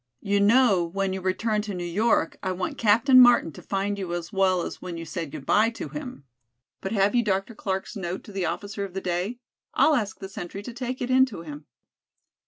"You know when you return to New York I want Captain Martin to find you as well as when you said goodby to him. But have you Dr. Clark's note to the officer of the day? I'll ask the sentry to take it in to him."